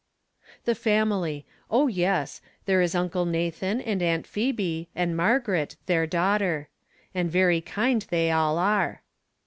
The family: Oh, yes ! There's Uncle Nathan and Aunt Phebe, and Margaret, their daughter. And very kind they all are.